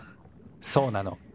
そうなの。